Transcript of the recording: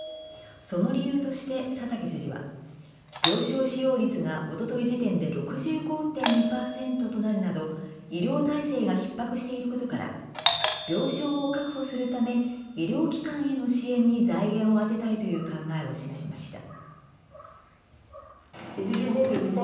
その理由として、佐竹知事は病床使用率が、おととい時点で６５．２パーセントとなるなど医療体制がひっ迫していることから病床を確保するため医療機関への支援に財源を充てたいという考えを示しました。